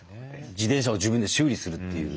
自転車を自分で修理するっていう。